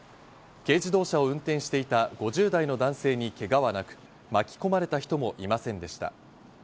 軽自動車を運転していた５０代の男性にけがはなく、巻き込まれた人もいませんでした。